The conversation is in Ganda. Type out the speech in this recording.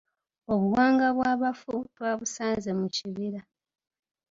Obuwanga bw’abafu twabusanze mu kibira.